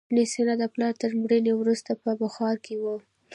ابن سینا د پلار تر مړینې وروسته په بخارا کې و.